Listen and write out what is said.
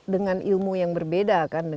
dengan ilmu yang berbeda kan